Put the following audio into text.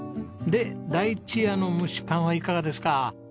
で「だいちや」の蒸しパンはいかがですか？